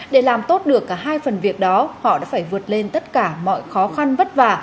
để làm tốt được cả hai phần việc đó họ đã phải vượt lên tất cả mọi khó khăn vất vả